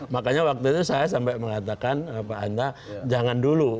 makanya waktu itu saya sampai mengatakan pak anta jangan dulu